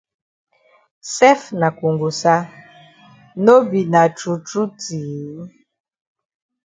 Sef na kongosa no be na true true tin?